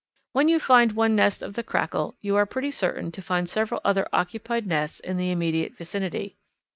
When you find one nest of the Crackle you are pretty certain to find several other occupied nests in the immediate vicinity.